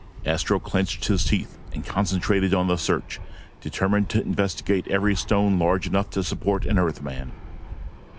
Astro clenched his teeth and concentrated on the search, determined to investigate every stone large enough to support an Earthman.